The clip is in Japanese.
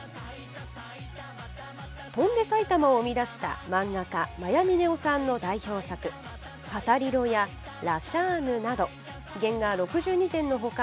「翔んで埼玉」を生み出した漫画家・魔夜峰央さんの代表作「パタリロ」や「ラシャーヌ！」など原画６２点の他